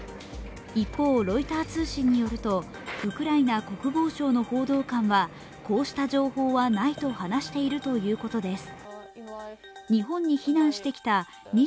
一方、ロイター通信によるとウクライナ国防省の報道官はこうした情報はないと話しているということです。